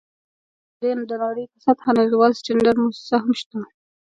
سربیره پر دې د نړۍ په سطحه نړیواله سټنډرډ مؤسسه هم شته.